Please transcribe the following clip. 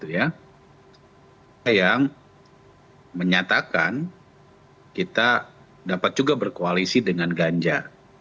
yang menyatakan kita dapat juga berkoalisi dengan ganjar